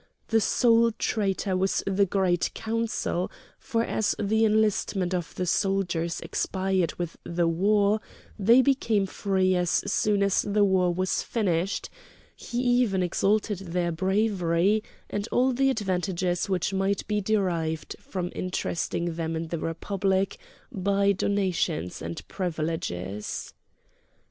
The sole traitor was the Great Council, for as the enlistment of the soldiers expired with the war, they became free as soon as the war was finished; he even exalted their bravery and all the advantages which might be derived from interesting them in the Republic by donations and privileges.